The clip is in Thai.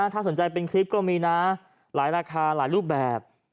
ถ้าสนใจเป็นคลิปก็มีนะหลายราคาหลายรูปแบบ